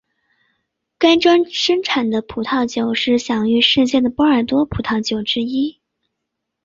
该庄出产的葡萄酒是享誉世界的波尔多葡萄酒之一。